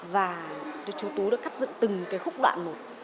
và chú tú đã cắt dựng từng cái khúc đoạn một